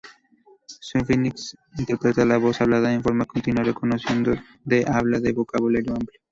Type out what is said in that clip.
Sphinx interpreta voz hablada en forma continua, reconocimiento de habla de vocabulario amplio.